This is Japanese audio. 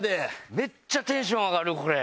めっちゃテンション上がるこれ。